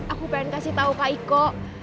aku pengen kasih tau kak iko